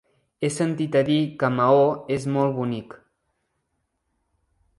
He sentit a dir que Maó és molt bonic.